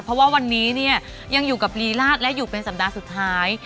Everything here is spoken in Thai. เพราะว่าวันนี้เนี่ยยังอยู่กับลีราชและอยู่เป็นสัปดาห์สุดท้าย